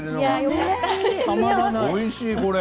おいしい。